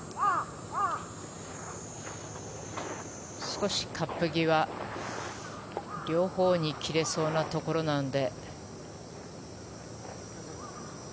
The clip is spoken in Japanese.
少しカップ際両方に切れそうなところなので。